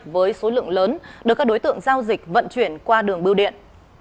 với số lượng lớn được các đối tượng giao dịch vận chuyển qua đường biêu điện